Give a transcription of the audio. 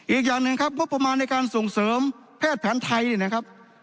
อีกอย่างหนึ่งครับงบประมาณในการส่งเสริมแพทย์แผนไทยนี่นะครับ